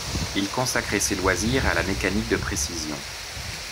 Il consacrait ses loisirs à la mécanique de précision.